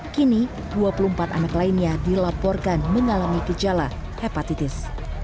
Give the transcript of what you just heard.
kini dua puluh empat anak lainnya dilaporkan mengalami gejala hepatitis